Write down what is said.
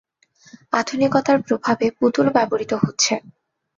আধুনিকতার প্রভাবে পুতুল ও ব্যবহৃত হচ্ছে।